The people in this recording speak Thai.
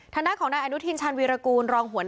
ทางด้านของนายอนุทินชาญวิรกูล